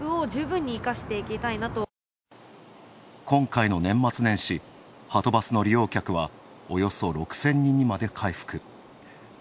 今回の年末年始、はとバスの利用客は、およそ６０００人までに回復。